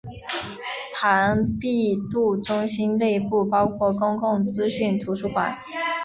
庞毕度中心内部包括公共资讯图书馆。